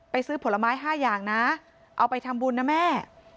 ซื้อผลไม้๕อย่างนะเอาไปทำบุญนะแม่